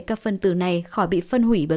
các phân tử này khỏi bị phân hủy bởi